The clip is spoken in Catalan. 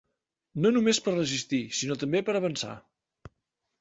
No només per resistir, sinó també per avançar.